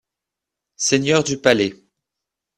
Seigneur du Palais.